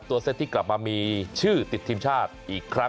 เซตที่กลับมามีชื่อติดทีมชาติอีกครั้ง